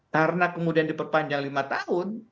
karena kemudian diperpanjang lima tahun